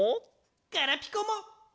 ガラピコも！